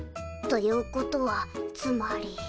ということはつまり。